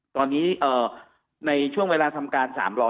ตอนนี้ในช่วงเวลาทำการ๓๐๐